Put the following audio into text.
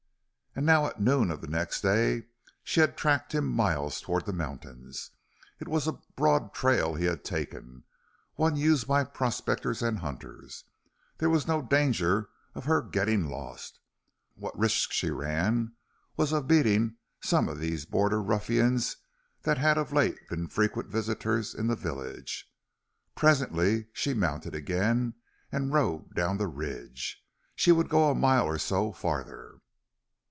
And now at noon of the next day she had tracked him miles toward the mountains. It was a broad trail he had taken, one used by prospectors and hunters. There was no danger of her getting lost. What risk she ran was of meeting some of these border ruffians that had of late been frequent visitors in the village. Presently she mounted again and rode down the ridge. She would go a mile or so farther.